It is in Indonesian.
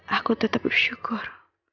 aku tetap bersyukur